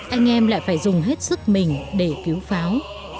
anh em lại phải dùng hết sức mình để cứu pháo